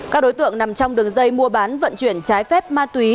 các đối tượng nằm trong đường dây mua bán vận chuyển trái phép ma túy